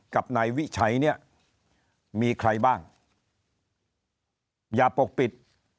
กับนายวิชัยเนี่ยมีใครบ้างอย่าปกปิด